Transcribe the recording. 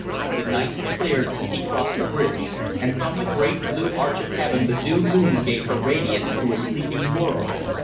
The night had cleared since he crossed the bridge, and from the great blue arch of heaven the new moon gave her radiance to a sleeping world.